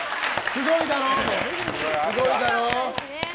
すごいだろ？